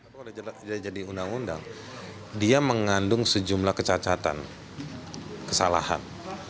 kalau dia jadi undang undang dia mengandung sejumlah kecacatan kesalahan